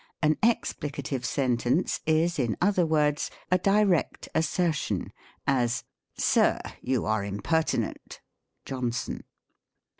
An explicative sentence is, in other words, a direct assertion : as, " Sir, you are impertinent." — Johnson.